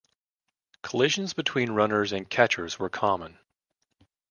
Collisions between runners and catchers were common.